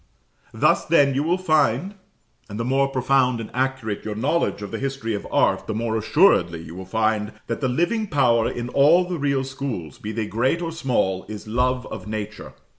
Thus, then, you will find and the more profound and accurate your knowledge of the history of art the more assuredly you will find that the living power in all the real schools, be they great or small, is love of nature.